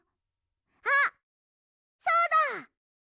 あっそうだ！